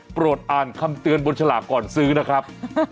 อ่านคำเตือนบนฉลากก่อนซื้อนะครับ